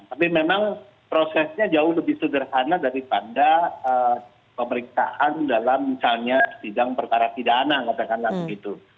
tapi memang prosesnya jauh lebih sederhana daripada pemeriksaan dalam misalnya sidang perkara pidana katakanlah begitu